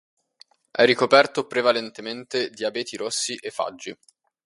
È ricoperto prevalentemente di abeti rossi e faggi.